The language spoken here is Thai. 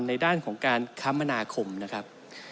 ในด้านของการคมนาคมนะครับ